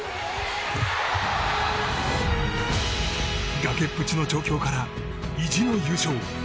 崖っぷちの状況から意地の優勝。